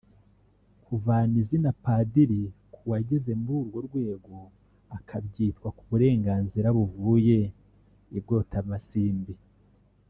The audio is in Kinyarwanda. kuvana izina padiri ku wageze muri urwo rwego akabyitwa ku burenganzira buvuye ibwotamasimbi